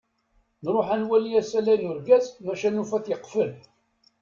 Nruḥ ad nwali asalay n urgaz, maca nufa-t yeqfel.